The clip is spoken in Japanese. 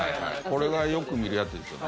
これがよく見るやつですよね。